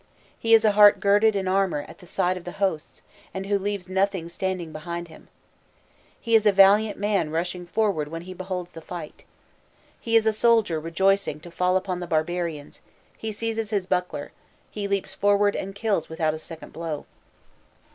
He is a heart girded in armour at the sight of the hosts, and who leaves nothing standing behind him. He is a valiant man rushing forward when he beholds the fight. He is a soldier rejoicing to fall upon the barbarians: he seizes his buckler, he leaps forward and kills without a second blow.